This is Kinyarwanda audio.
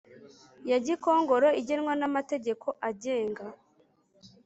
Ya gikongoro igenwa n amategeko agenga